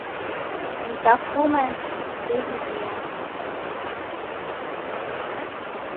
Ghikafuma ndeghiwuya.